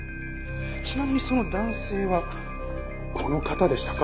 ちなみにその男性はこの方でしたか？